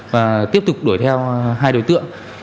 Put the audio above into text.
và tiếp tục đuổi theo hai đối tượng